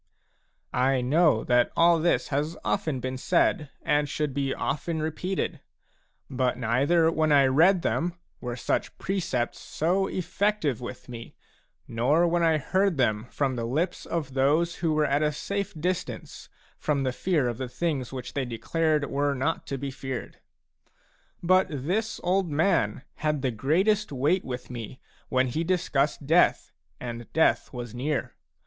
I know that all this has often been said and should be often repeated ; but neither when I read them were such precepts so effective with me, nor when I heard them from the lips of those who were at a safe distance from the fear of the things which they declared were not to be feared. But this old man had the greatest weight with me when he discussed death and death was near.